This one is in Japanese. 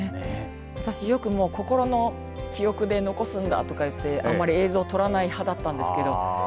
私よく心の記憶で残すんだとか言ってあまり映像撮らない派だったんですけれど。